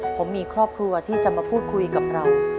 ผมมีครอบครัวที่จะมาพูดคุยกับเรา